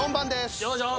よいしょ！